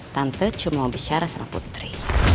tante cuma bicara sama putri